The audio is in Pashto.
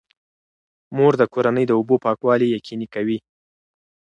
مور د کورنۍ د اوبو پاکوالی یقیني کوي.